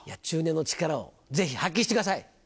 中年の力をぜひ発揮してください！